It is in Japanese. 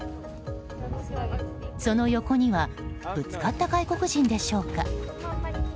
その横にはぶつかった外国人でしょうか？